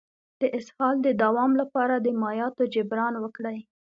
د اسهال د دوام لپاره د مایعاتو جبران وکړئ